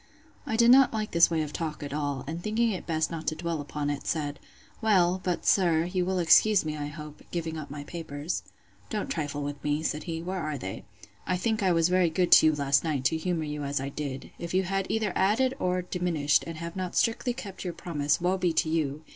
I did not like this way of talk at all; and thinking it best not to dwell upon it, said, Well, but, sir, you will excuse me, I hope, giving up my papers. Don't trifle with me, said he; Where are they?—I think I was very good to you last night, to humour you as I did. If you have either added or diminished, and have not strictly kept your promise, woe be to you!